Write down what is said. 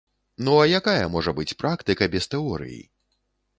Ну, а якая можа быць практыка без тэорыі?